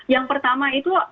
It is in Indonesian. yang pertama itu